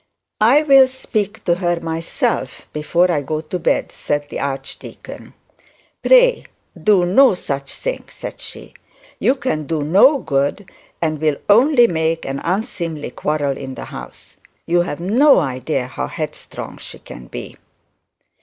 'I will speak to her myself before I go to bed,' said the archdeacon. 'Pray do no such thing,' said she; 'you can do no good and will only make an unseemly quarrel in the house. You have no idea how headstrong she can be.'